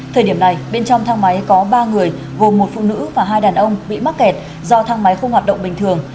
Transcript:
thời điểm này bên trong thang máy có ba người gồm một phụ nữ và hai đàn ông bị mắc kẹt do thang máy không hoạt động bình thường